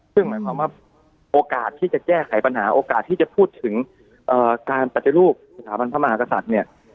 ซึ่งหมายความว่าโอกาสที่จะแก้ไขปัญหาโอกาสที่จะพูดถึงการปฏิรูปสถาบันพระมหากษัตริย์เนี่ย